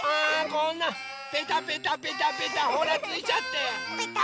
こんなペタペタペタペタほらついちゃって。